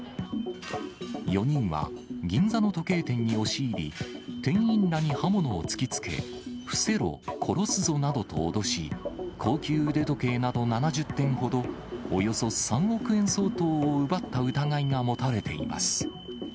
４人は銀座の時計店に押し入り、店員らに刃物を突きつけ、伏せろ、殺すぞなどと脅し、高級腕時計など７０点ほど、およそ３億円相当を奪った疑いが持たれています。